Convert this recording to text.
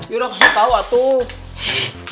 irah kasih tahu atuh